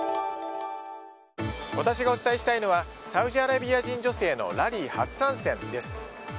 私がお伝えしたいのはサウジアラビア人女性のラリー初参戦です。